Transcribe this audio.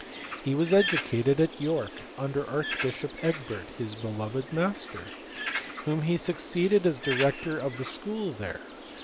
He was educated at York under archbishop Egbert his "beloved master" whom he succeeded as director of the school there.